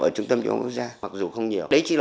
ở trung tâm chủ quốc gia mặc dù không nhiều đấy chỉ là